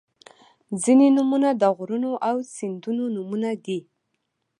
• ځینې نومونه د غرونو او سیندونو نومونه دي.